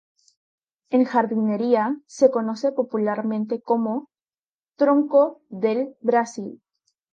En jardinería se conoce popularmente como "Tronco del Brasil".